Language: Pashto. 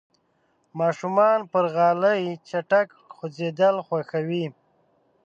ماشومان پر غالۍ چټک خوځېدل خوښوي.